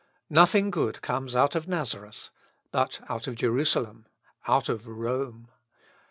Nothing good comes out of Nazareth; but out of Jerusalem, out of Rome!...